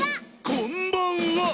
「こんばんは！」